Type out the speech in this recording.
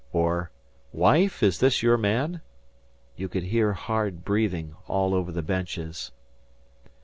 or "Wife, is this your man?" you could hear hard breathing all over the benches.